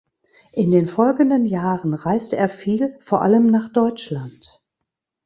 In den folgenden Jahren reiste er viel, vor allem nach Deutschland.